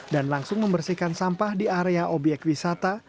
dan langsung membersihkan sampah di area obyek wisata